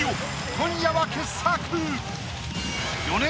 今夜は傑作！